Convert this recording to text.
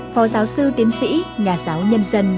phò giáo sư tiến sĩ nhà giáo nhân dân